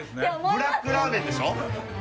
ブラックラーメンでしょ？